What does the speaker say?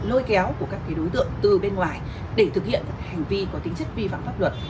cái lôi kẹo của các đối tượng từ bên ngoài để thực hiện hành vi có tính chất vi phẳng pháp luật